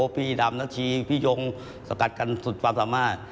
พี่ดำนาชีพี่ยงสกัดกันสุดความสามารถ